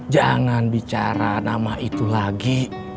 jangan bicara nama itu lagi